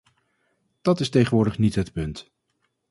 Dat is tegenwoordig niet het punt.